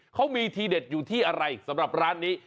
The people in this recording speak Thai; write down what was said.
เขามีทีเด็ดอยู่ที่อะไรสำหรับร้านนี้